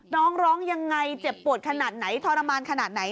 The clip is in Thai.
น้องร้องยังไงเจ็บปวดขนาดไหนทรมานขนาดไหน